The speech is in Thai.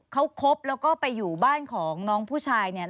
เขาคบแล้วก็ไปอยู่บ้านของน้องผู้ชายเนี่ย